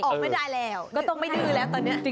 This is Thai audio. ออกไม่ได้แล้วก็ต้องไม่ดื้อแล้วตอนนี้